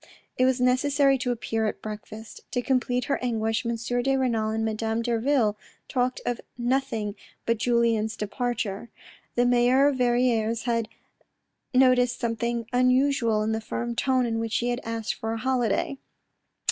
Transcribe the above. It was necessary to appear at breakfast. To complete her anguish, M. de Renal and Madame Derville talked of nothing but Julien's departure. The mayor of Verrieres had noticed something unusual in the firm tone in which he had asked for a holiday.